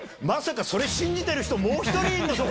まさかそれ、信じてる人、もう１人いるの？